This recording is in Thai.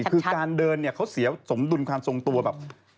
คือการเดินเนี่ยเขาเสียสมดุลความทรงตัวแบบ